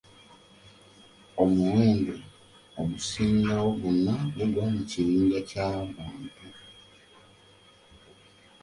Omuwendo ogusigalawo gwonna gugwa mu kibinja kya Babantu.